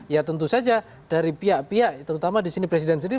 ya tentu saja dari pihak pihak terutama di sini presiden sendiri